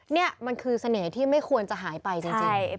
นี่มันคือเสน่ห์ที่ไม่ควรจะหายไปจริง